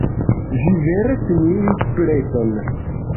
Ĝi vere similis pleton.